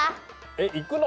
えっ行くの？